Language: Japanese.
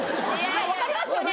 分かりますよね？